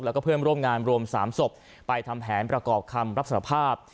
แล้วก็เพื่อนร่วมงานรวม๓ศพไปทำแผนประกอบคำรับสารภาพ